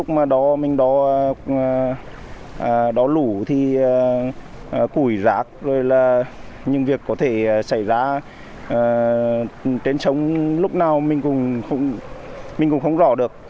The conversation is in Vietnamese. mình cũng không rõ được